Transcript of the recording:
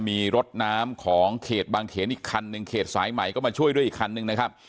มีรถน้ำของเขตบางเขนอีกคันหนึ่งเขตสายใหม่ก็มาช่วยด้วยอีกคันนึงนะครับ